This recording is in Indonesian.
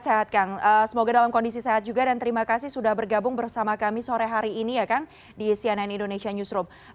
sehat kang semoga dalam kondisi sehat juga dan terima kasih sudah bergabung bersama kami sore hari ini ya kang di cnn indonesia newsroom